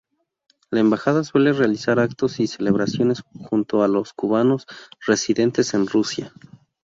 La embajada suele realizar actos y celebraciones junto a los cubanos residentes en Rusia.